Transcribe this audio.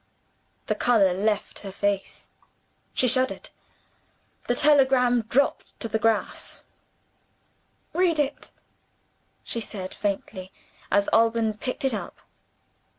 The color left her face: she shuddered. The telegram dropped on the grass. "Read it," she said, faintly, as Alban picked it up.